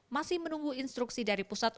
masih menunggu instruksi dari pusat